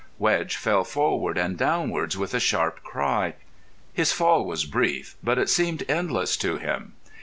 Wedge fell forward and downwards with a sharp cry. His fall was brief, but it seemed endless to him.